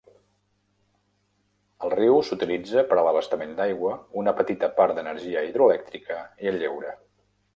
El riu s'utilitza per a l'abastament d'aigua, una petita part d'energia hidroelèctrica i el lleure.